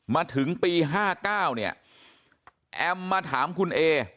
มาถึงปี๕๙เนี่ยแอมมาถามคุณเอ